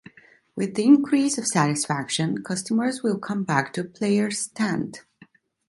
With the increase of satisfaction, customers will come back to a player's stand.